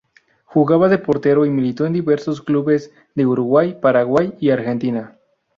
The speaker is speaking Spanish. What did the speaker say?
Jugaba de portero y militó en diversos clubes de Uruguay, Paraguay y Argentina.